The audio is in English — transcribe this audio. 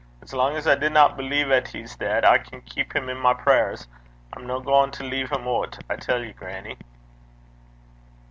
As lang 's I dinna believe 'at he's deid, I can keep him i' my prayers. I'm no gaein' to lea' him oot, I tell ye, grannie.'